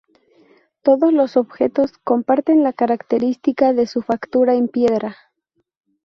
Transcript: Todos los objetos comparten la característica de su factura en piedra.